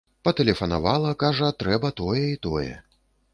Патэлефанавала, кажа, трэба тое і тое.